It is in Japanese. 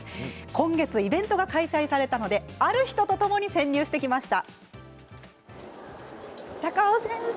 今月イベントが開催されたのである人とともに潜入してきました。